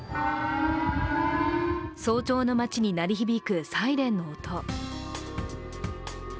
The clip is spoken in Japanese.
早朝の町に鳴り響くサイレンの音。